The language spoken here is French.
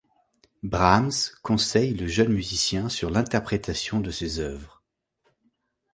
Brahms conseille le jeune musicien sur l'interprétation de ses œuvres.